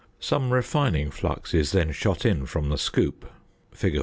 Some refining flux is then shot in from the scoop (fig.